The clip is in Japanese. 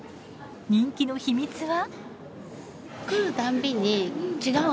人気の秘密は。